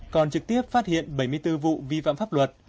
còn trực tiếp phát hiện bảy mươi bốn vụ vi phạm pháp luật